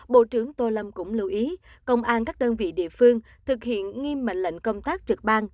bộ trưởng tô lâm cũng lưu ý công an các đơn vị địa phương thực hiện nghiêm mệnh lệnh công tác trực ban